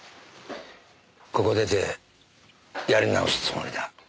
ここ出てやり直すつもりだ。